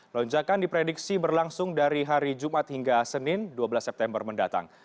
lonjakan diprediksi berlangsung dari hari jumat hingga senin dua belas september mendatang